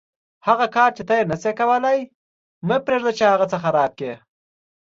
هغه کار چې ته یې نشې کولای مه پرېږده چې هغه څه خراب کړي.